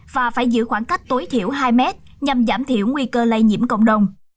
và phải giữ khoảng cách tối thiểu hai mét nhằm giảm thiểu nguy cơ lây nhiễm cộng đồng